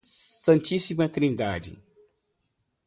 Santíssima Trindade